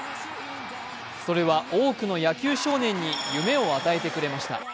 それは多くの野球少年に夢を与えてくれました。